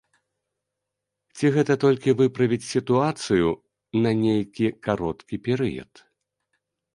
Ці гэта толькі выправіць сітуацыю на нейкі кароткі перыяд?